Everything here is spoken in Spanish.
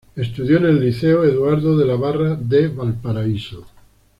Estudió en el Liceo Eduardo de la Barra de Valparaíso.